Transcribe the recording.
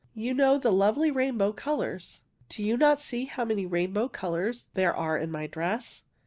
You know the lovely rainbow col ours. Do you not see how many rainbow col ours there are in my dress?